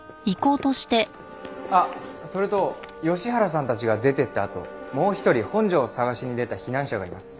あっそれと吉原さんたちが出ていったあともう一人本庄を捜しに出た避難者がいます。